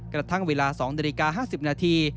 กระทั่งเวลา๒นาฬิกา๕๐นาที